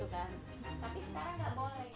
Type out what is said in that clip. tapi sekarang nggak boleh